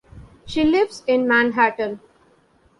She lives in Manhattan.